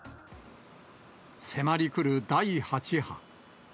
迫り来る第８波。